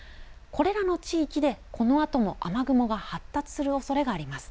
これらの地域でこのあとも雨雲が発達するおそれがあります。